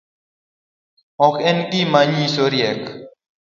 Ok en gima nyiso riek